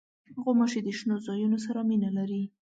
غوماشې د شنو ځایونو سره مینه لري.